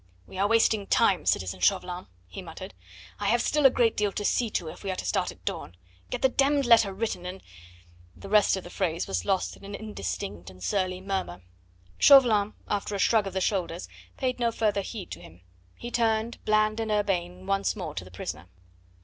"We are wasting time, citizen Chauvelin," he muttered. "I have still a great deal to see to if we are to start at dawn. Get the d d letter written, and " The rest of the phrase was lost in an indistinct and surly murmur. Chauvelin, after a shrug of the shoulders, paid no further heed to him; he turned, bland and urbane, once more to the prisoner.